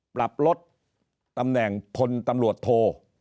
ปรับรถตำแหน่งพลตรโท